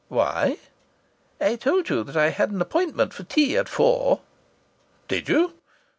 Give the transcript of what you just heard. "Why?" "I told you I had an appointment for tea at four." "Did you?